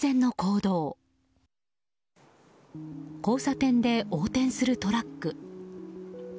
交差点で横転するトラック。